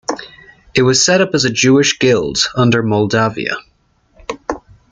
It was set up as a Jewish Guild under Moldavia.